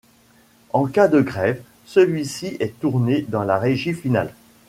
En cas de grève, celui-ci est tourné dans la régie finale.